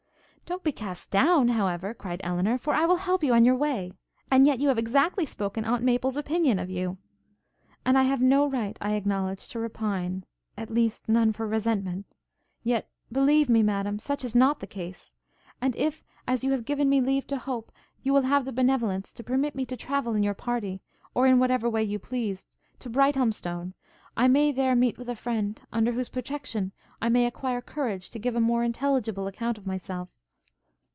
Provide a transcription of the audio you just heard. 'Don't be cast down, however,' cried Elinor, 'for I will help you on your way. And yet you have exactly spoken Aunt Maple's opinion of you.' 'And I have no right, I acknowledge, to repine, at least, none for resentment: yet, believe me, Madam, such is not the case! and if, as you have given me leave to hope, you will have the benevolence to permit me to travel in your party, or in whatever way you please, to Brighthelmstone, I may there meet with a friend, under whose protection I may acquire courage to give a more intelligible account of myself.'